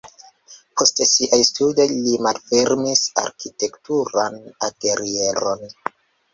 Post siaj studoj li malfermis arkitekturan atelieron.